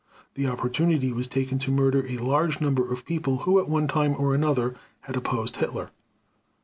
The opportunity was taken to murder a large number of people who at one time or another had opposed Hitler.